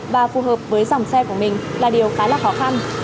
và phù hợp với dòng xe của mình là điều khá là khó khăn